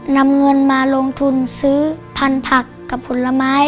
นำเงินมาลงทุนซื้อพันธุ์ผักกับผลไม้